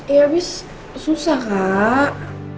ya abis susah kak